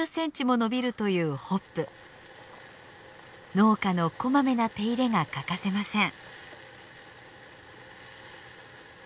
農家のこまめな手入れが欠かせません。